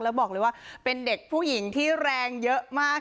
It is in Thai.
แล้วบอกเลยว่าเป็นเด็กผู้หญิงที่แรงเยอะมาก